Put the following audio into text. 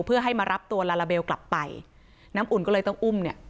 เพื่อให้มารับตัวลาลาเบลกลับไปน้ำอุ่นก็เลยต้องอุ้มเนี่ย